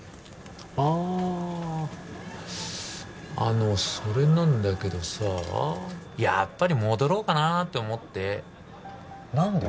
あああのそれなんだけどさあやっぱり戻ろうかなって思って何で？